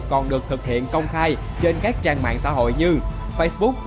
còn được thực hiện công khai trên các trang mạng xã hội như facebook